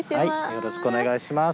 よろしくお願いします。